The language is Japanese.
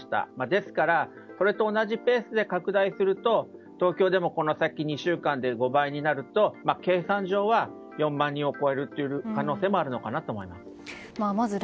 ですから、これと同じペースで拡大すると東京でも、この先２週間で５倍になると計算上は４万人を超える計算になると思います。